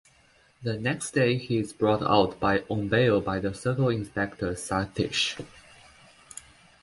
The next day he is brought out on bail by the Circle Inspector Sathish.